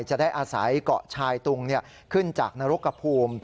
จะได้อาศัยเกาะชายตุงขึ้นจากนรกภูมิ